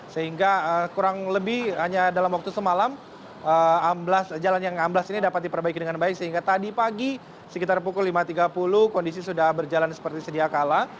sehingga kurang lebih hanya dalam waktu semalam jalan yang amblas ini dapat diperbaiki dengan baik sehingga tadi pagi sekitar pukul lima tiga puluh kondisi sudah berjalan seperti sedia kala